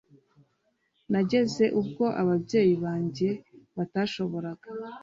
Nageze ubwo ababyeyi banjye batashoboraga